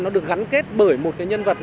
nó được gắn kết bởi một cái nhân vật